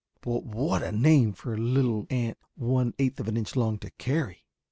But what a name for a little ant one eighth of an inch long to carry!